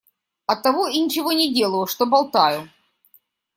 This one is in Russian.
Оттого и ничего не делаю, что болтаю.